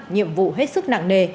nhiệm vụ hết sức nặng nề